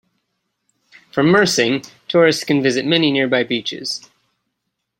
From Mersing, tourists can visit many nearby beaches.